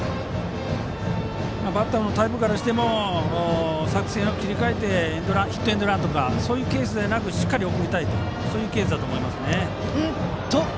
バッターのタイプからしても作戦を切り替えてヒットエンドランとかそういうケースじゃなくしっかり送りたいケースですね。